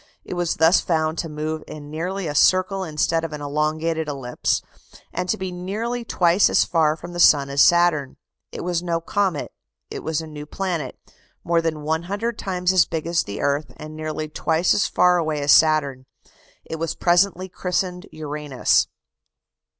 It was thus found to move in nearly a circle instead of an elongated ellipse, and to be nearly twice as far from the sun as Saturn. It was no comet, it was a new planet; more than 100 times as big as the earth, and nearly twice as far away as Saturn. It was presently christened "Uranus."